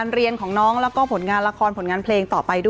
ใช่ค่ะเป็นดีกว่าทางผู้ใหญ่นะคะ